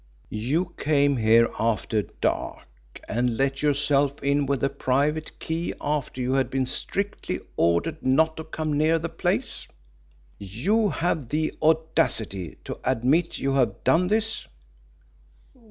"You came here after dark, and let yourself in with a private key after you had been strictly ordered not to come near the place? You have the audacity to admit you have done this?"